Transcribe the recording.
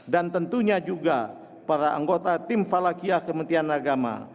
dan tentunya juga para anggota tim falakia kementian agama